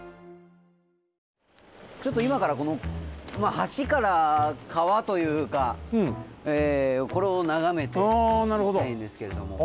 ちょっといまからこの橋から川というかこれをながめていきたいんですけれども。